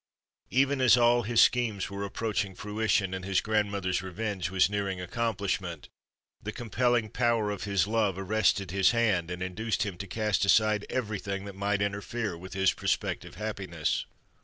Even as all his schemes were approaching fruition and his grandmother's revenge was nearing accomplishment, the compelling power of his love arrested his hand and induced him to cast aside everything that might interfere with his prospective happiness.